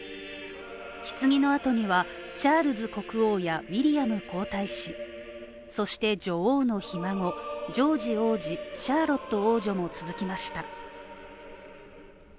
ひつぎのあとにはチャールズ国王やウィリアム皇太子、そして女王のひ孫、ジョージ王子シャーロット王女も続きました。